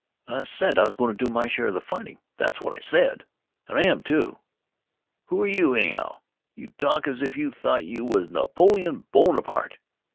I said I was going to do my share of fighting that's what I said. And I am, too. Who are you, anyhow. You talk as if you thought you was Napoleon Bonaparte."